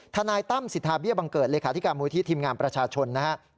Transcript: ทนายตั้มสิทธาเบี้ยบังเกิดเลขาธิการมูลที่ทีมงานประชาชนนะครับ